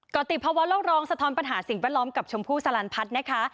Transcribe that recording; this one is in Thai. ก็ติดภาวะโลกร้องสะท้อนปัญหาสิ่งแวดล้อมกับชมพู่สลันพัฒน์นะคะ